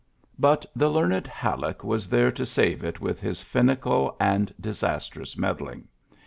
But the lear Halleck was there to save it with iinical and disastrous meddling.